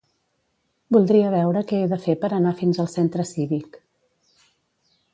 Voldria veure què he de fer per anar fins al centre cívic.